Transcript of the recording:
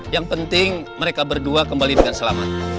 yang penting mereka berdua kembali dengan selamat